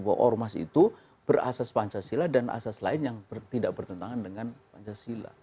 bahwa ormas itu berasas pancasila dan asas lain yang tidak bertentangan dengan pancasila